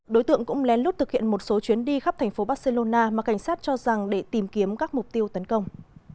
đối tượng cũng lén lút thực hiện một số chuyến đi khắp thành phố barcelona mà cảnh sát cho rằng để tìm kiếm các mục tiêu tấn công